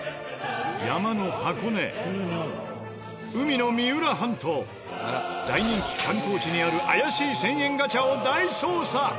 山の箱根海の三浦半島大人気観光地にある怪しい１０００円ガチャを大捜査！